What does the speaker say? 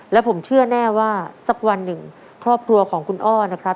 และผมเชื่อแน่ว่าสักวันหนึ่งครอบครัวของคุณอ้อนะครับ